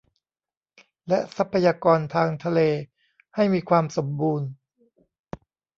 และทรัพยากรทางทะเลให้มีความสมบูรณ์